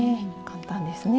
簡単ですね。